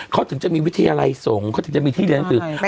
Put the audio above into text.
เขาถึงจะมีวิธีอะไรส่งเขาถึงจะมีที่เรียนได้ค่ะ